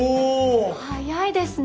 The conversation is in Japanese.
早いですね。